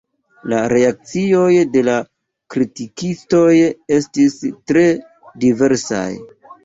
La reakcioj de la kritikistoj estis tre diversaj.